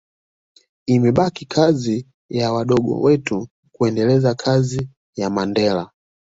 imebaki kazi ya wadogo wetu kuendeleza kazi ya Mandela